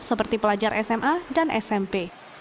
seperti pelajar sma dan smp